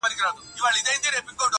داسي سفردی پرنمبرباندي وردرومي هرڅوک,